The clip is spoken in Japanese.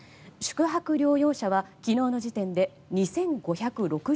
宿泊療養者は昨日の時点で２５６６人。